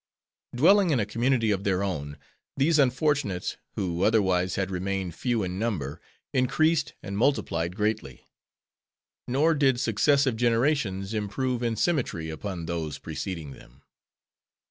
Dwelling in a community of their own, these unfortunates, who otherwise had remained few in number, increased and multiplied greatly. Nor did successive generations improve in symmetry upon those preceding them.